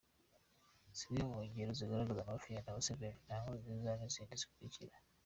Zimwe mu ingero zigaragaza Mafia ya Museveni na Nkurunziza nizi zikurikira;